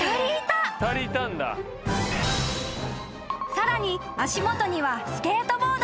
［さらに足元にはスケートボード］